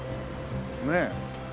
ねえ。